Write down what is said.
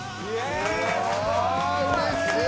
うれしい！